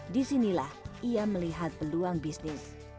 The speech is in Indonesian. disinilah ia melihat peluang bisnis